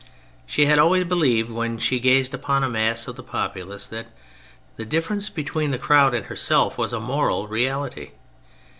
She had always believed, when she gazed upon a mass of the populace, that the difference between the crowd and herself was a moral reality.